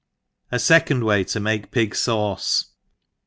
' A fecond way to make Pig Sauce.